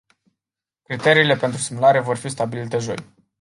Criteriile pentru simulare vor fi stabilite joi.